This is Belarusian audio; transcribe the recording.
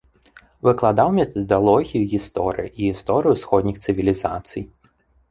Выкладаў метадалогію гісторыі і гісторыю ўсходніх цывілізацый.